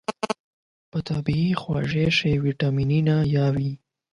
په طبیعي خوږو کې ویتامینونه هم وي.